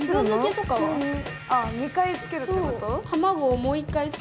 ああ２回つけるってこと？